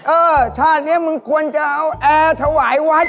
เออชาตินี้มึงควรจะเอาแอร์ถวายวัด